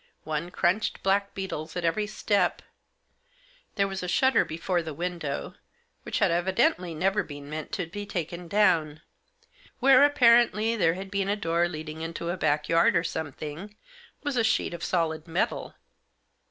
One crunched blackbeetles at every step. There was a shutter before the window, which had evidently never been meant to be taken down. Where, apparently, there had been a door leading into a back yard or something, was a sheet of solid metal.